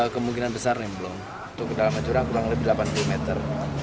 kemungkinan besar belum untuk ke dalam acuran kurang lebih delapan puluh meter